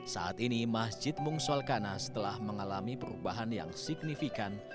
saat ini masjid mungsolkanas telah mengalami perubahan yang signifikan